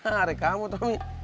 nah deh kamu tommy